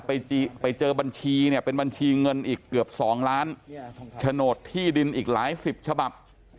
ไปเจอบัญชีเนี่ยเป็นบัญชีเงินอีกเกือบสองล้านโฉนดที่ดินอีกหลายสิบฉบับ